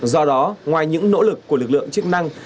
do đó ngoài những nỗ lực của lực lượng chức năng